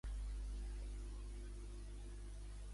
Quina relació tenia amb Ereixkigal?